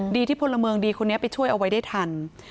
ดีที่พลเมืองดีคนนี้ไปช่วยเอาไว้ได้ทัน